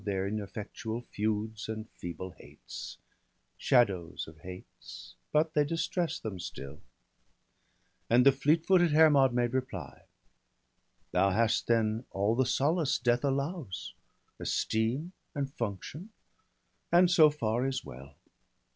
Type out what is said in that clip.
185 Their ineffectual feuds and feeble hates — Shadows of hates, but they distress them still/ And the fleet footed Hermod made reply :— 'Thou hast then all the solace death allows, Esteem and function ; and so far is well.